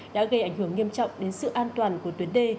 đã gây ảnh hưởng nghiêm trọng đến sự an toàn của tuyến đê